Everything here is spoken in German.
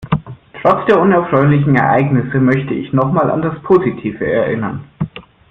Trotz der unerfreulichen Ereignisse möchte ich noch mal an das Positive erinnern.